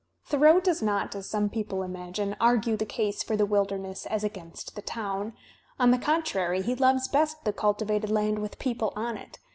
Thoreau does not, as some people imagine, argue the case for the wilderness as against the town; on the contrary he loves best the cultivated land with people on it.